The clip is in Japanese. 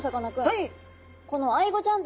はい！